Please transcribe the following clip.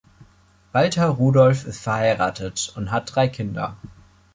Walter Rudolf ist verheiratet und hat drei Kinder.